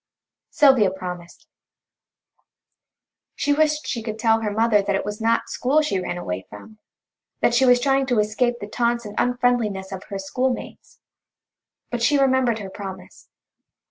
Sylvia promised. She wished she could tell her mother that it was not school she ran away from; that she was trying to escape the taunts and unfriendliness of her schoolmates. But she remembered her promise.